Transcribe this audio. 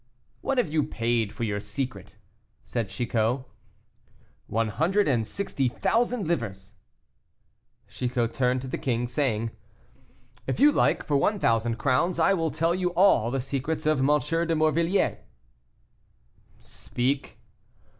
"What have you paid for your secret?" said Chicot. "One hundred and sixty thousand livres." Chicot turned to the king, saying, "If you like, for one thousand crowns, I will tell you all the secrets of M. de Morvilliers." "Speak."